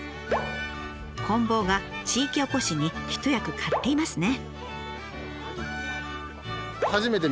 こん棒が地域おこしに一役買っていますね。